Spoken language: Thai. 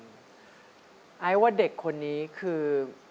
กลับมาฟังเพลง